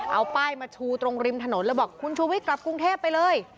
เอาป้ายมาชูตรงริมถนนแล้วบอกคุณชูวิทย์กลับกรุงเทพไปเลย